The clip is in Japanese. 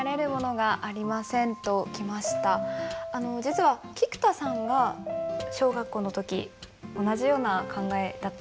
実は菊田さんが小学校の時同じような考えだったんですよね。